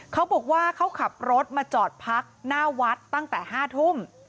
เขาบอกว่าเขาขับรถมาจอดพักหน้าวัดตั้งแต่๕ทุ่ม